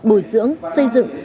phát hiện bồi dưỡng xây dựng